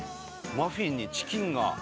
マフィンにチキンが。